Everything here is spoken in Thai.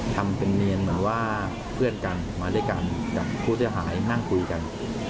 ทำเป็นเนียนเหมือนว่าเพื่อนกันมาด้วยกันกับผู้เสียหายนั่งคุยกัน